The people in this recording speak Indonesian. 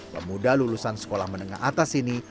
pemuda lulusan sekolah menengah atas ini